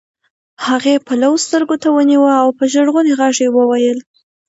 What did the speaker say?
هغې پلو سترګو ته ونيوه او په ژړغوني غږ يې وويل.